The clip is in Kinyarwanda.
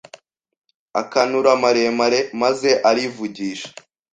Akanura maremare maze arivugisha